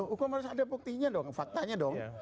hukum harus ada buktinya dong faktanya dong